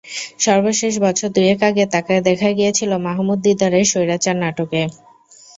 সর্বশেষ বছর দুয়েক আগে তাঁকে দেখা গিয়েছিল মাহমুদ দিদারের স্বৈরাচার নাটকে।